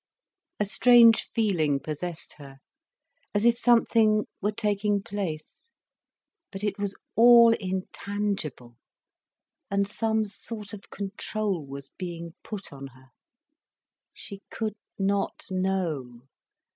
A strange feeling possessed her, as if something were taking place. But it was all intangible. And some sort of control was being put on her. She could not know.